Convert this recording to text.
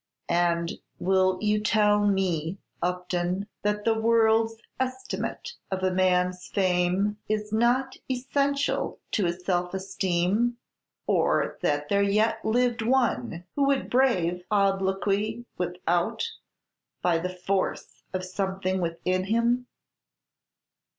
"And will you tell me, Upton, that the world's estimate of a man's fame is not essential to his self esteem, or that there yet lived one, who would brave obloquy without, by the force of something within him?"